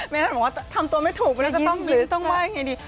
เมธานบอกว่าทำตัวไม่ถูกแล้วจะต้องยิ้มต้องวายไงดี